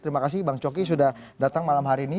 terima kasih bang coki sudah datang malam hari ini